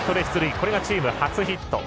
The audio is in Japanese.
これがチーム初ヒット。